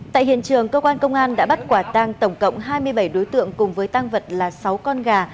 tại hiện trường cơ quan công an đã bắt quả tang tổng cộng hai mươi bảy đối tượng cùng với tăng vật là sáu con gà